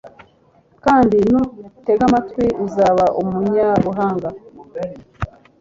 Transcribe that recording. kandi nutega amatwi, uzaba umunyabuhanga